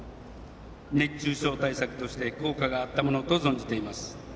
熱中症対策として効果があったものと存じています。